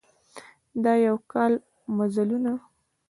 د یوه کال مزلونه